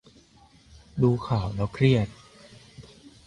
ดูข่าวแล้วเครียด